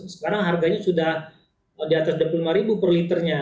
sekarang harganya sudah di atas rp dua puluh lima per liternya